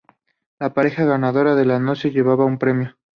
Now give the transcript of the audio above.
La pareja ganadora de la noche se llevaba un premio.